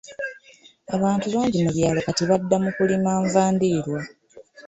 Abantu bangi mu byalo kati badda mu kulima nva ndiirwa.